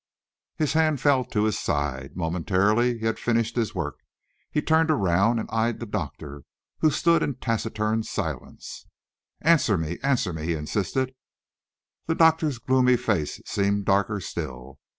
His hand fell to his side. Momentarily he had finished his work. He turned around and eyed the doctor, who stood in taciturn silence. "Answer. Answer me," he insisted. The doctor's gloomy face seemed darker still.